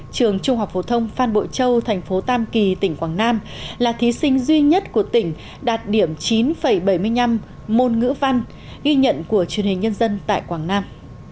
trường trung học phổ thông phan bội châu thành phố tam kỳ tỉnh quảng nam là thí sinh duy nhất của tỉnh đạt điểm chín bảy mươi năm môn ngữ văn ghi nhận của truyền hình nhân dân tại quảng nam